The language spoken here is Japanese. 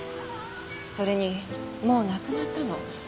それにもう亡くなったの。